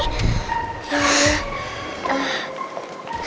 untung itu bisa masuk ya